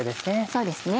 そうですね。